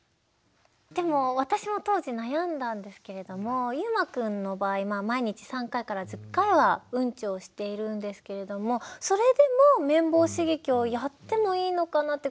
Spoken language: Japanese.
でも私も当時悩んだんですけれどもゆうまくんの場合毎日３回から１０回はウンチをしているんですけれどもそれでも綿棒刺激をやってもいいのかなって。